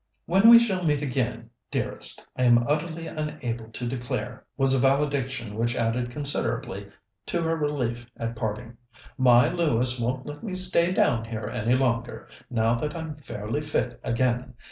"When we shall meet again, dearest, I am utterly unable to declare," was a valediction which added considerably to her relief at parting. "My Lewis won't let me stay down here any longer, now that I'm fairly fit again.